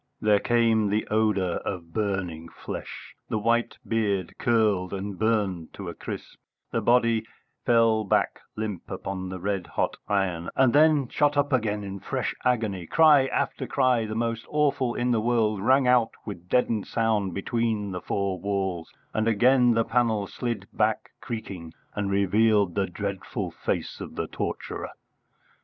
There came the odour of burning flesh; the white beard curled and burned to a crisp; the body fell back limp upon the red hot iron, and then shot up again in fresh agony; cry after cry, the most awful in the world, rang out with deadened sound between the four walls; and again the panel slid back creaking, and revealed the dreadful face of the torturer.